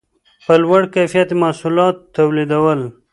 په لوړ کیفیت محصولات یې تولیدول